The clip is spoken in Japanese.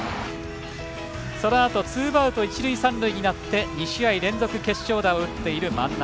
そのあとツーアウト一塁、三塁になって２試合連続決勝打を打っている万波。